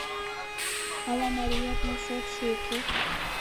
— Ала мариетын шотшо уке?